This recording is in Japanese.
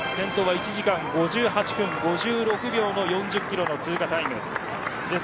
１時間５８分５６秒の通過タイムです。